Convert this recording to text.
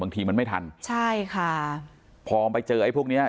บางทีมันไม่ทันใช่ค่ะพอไปเจอไอ้พวกเนี้ย